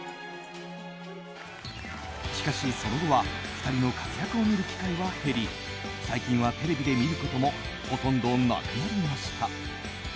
しかし、その後は２人の活躍を見る機会は減り最近はテレビで見ることもほとんどなくなりました。